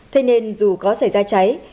thế nên dù có xảy ra cháy